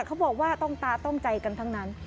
เขาบอกว่าต้องตาต้องใจกันทั้งนั้น